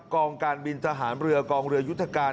กองการบินทหารเรือกองเรือยุทธการ